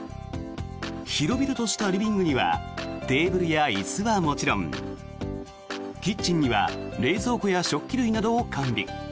広々としたリビングにはテーブルや椅子はもちろんキッチンには冷蔵庫や食器類などを完備。